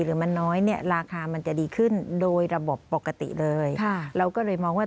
หรือมันน้อยเนี่ยราคามันจะดีขึ้นโดยระบบปกติเลยค่ะเราก็เลยมองว่า